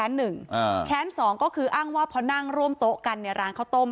อันนี้คือแค้น๑แค้น๒ก็คืออ้างว่าพอนั่งร่วมโต๊ะกันไงร้านเขาต้ม